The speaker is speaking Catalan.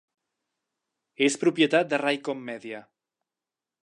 És propietat de Raycom Media.